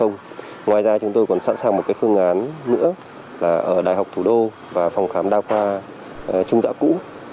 ngoài ra chúng tôi còn sẵn sàng một phương án nữa là ở đại học thủ đô và phòng khám đa khoa trung dạ cũ